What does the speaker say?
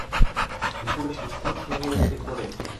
Pur și simplu nu este corect.